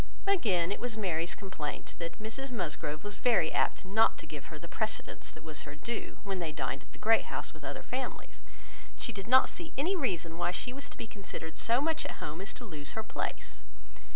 Again, it was Mary's complaint, that Mrs Musgrove was very apt not to give her the precedence that was her due, when they dined at the Great House with other families; and she did not see any reason why she was to be considered so much at home as to lose her place.